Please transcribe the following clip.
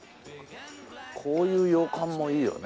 こういう洋館もいいよね